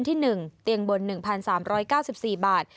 เตียงบน๑๓๙๔บาท